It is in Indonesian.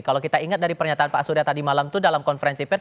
kalau kita ingat dari pernyataan pak surya tadi malam itu dalam konferensi pers